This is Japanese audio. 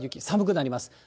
寒くなります。